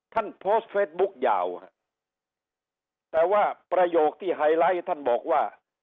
ท่านโพสต์เฟสบุ๊กยาวฮะแต่ว่าประโยคที่ไฮไลท์ท่านบอกว่า